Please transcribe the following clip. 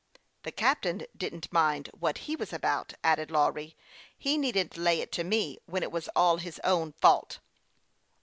" The captain didn't mind what he was about," added Lawry. " He needn't lay it to me, when it was all his own fault."